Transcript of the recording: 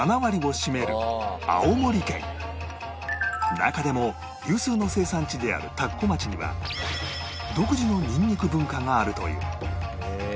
中でも有数の生産地である田子町には独自のニンニク文化があるという